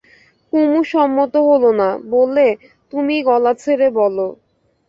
কুমু সম্মত হল না, বললে, তুমিই গলা ছেড়ে বলো।